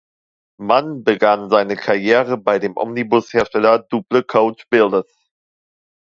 Mann begann seine Karriere bei dem Omnibushersteller "Duple Coachbuilders".